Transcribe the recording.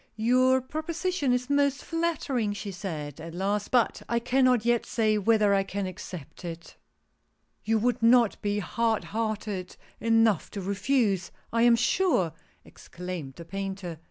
"Your proposition is most flattering," she said, at last, "but I cannot yet say whether I can accept it "" You would not be hard hearted enough to refuse, I am sure," exclaimed the Painter.